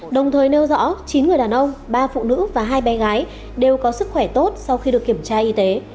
đồng thời nêu rõ chín người đàn ông ba phụ nữ và hai bé gái đều có sức khỏe tốt sau khi được kiểm tra y tế